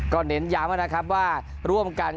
เน้นย้ำนะครับว่าร่วมกัน